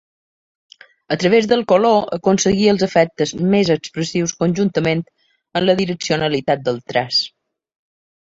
A través del color aconseguia els efectes més expressius conjuntament amb la direccionalitat del traç.